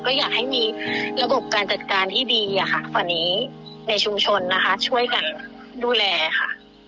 ก็อยากให้มีระบบการจัดการที่ดีในชุมชนนะคะช่วยกันดูแลค่ะ